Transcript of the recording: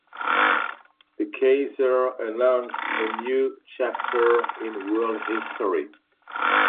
The Kaiser announced a new chapter in world history.